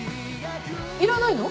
いらないの？